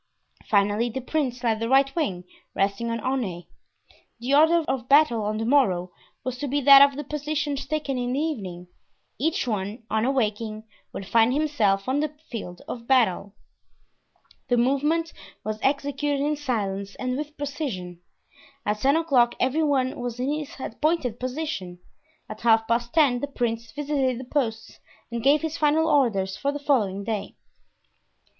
Finally, the prince led the right wing, resting on Aunay. The order of battle on the morrow was to be that of the positions taken in the evening. Each one, on awaking, would find himself on the field of battle. The movement was executed in silence and with precision. At ten o'clock every one was in his appointed position; at half past ten the prince visited the posts and gave his final orders for the following day.